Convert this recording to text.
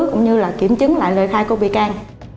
cũng như là kiểm chứng lại lời khai của bị can